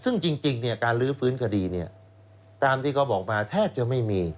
ซึ่งจริงการลื้อฟื้นคดีตามที่เขาบอกมาแทบจะไม่มี